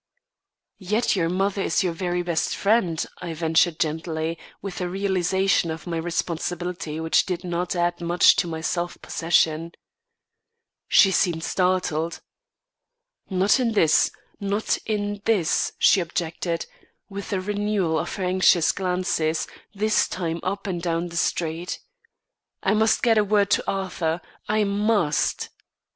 "Yet your mother is your very best friend," I ventured gently, with a realisation of my responsibility which did not add much to my self possession. She seemed startled. "Not in this, not in this," she objected, with a renewal of her anxious glances, this time up and down the street. "I must get a word to Arthur. I must."